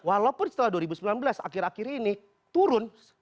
walaupun setelah dua ribu sembilan belas akhir akhir ini turun